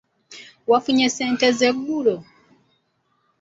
Wafunye ssente zo eggulo?